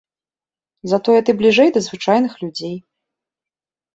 Затое ты бліжэй да звычайных людзей.